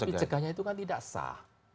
tapi cegahnya itu kan tidak sah